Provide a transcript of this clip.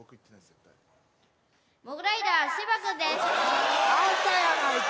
絶対あんたやないか！